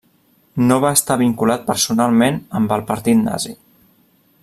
No va estar vinculat personalment amb el Partit Nazi.